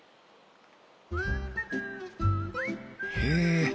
へえ！